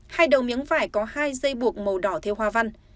hai đầu miếng vải có hai dây buộc màu đỏ theo hoa văn